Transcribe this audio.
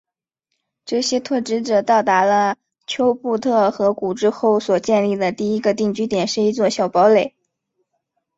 这些拓殖者到达了丘布特河谷之后所建立的第一个定居点是一座小堡垒。